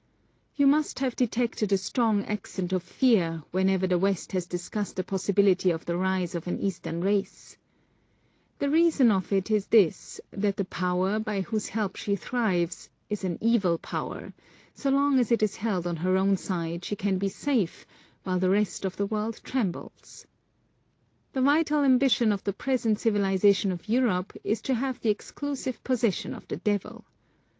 You must have detected a strong accent of fear, whenever the West has discussed the possibility of the rise of an Eastern race. The reason of it is this, that the power, by whose help she thrives, is an evil power; so long as it is held on her own side she can be safe, while the rest of the world trembles. The vital ambition of the present civilisation of Europe is to have the exclusive possession of the devil.